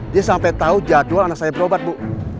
dia sampai tahu jadwal anak saya berobat bu